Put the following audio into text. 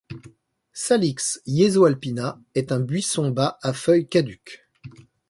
Salix yezoalpina est un buisson bas à feuilles caduques.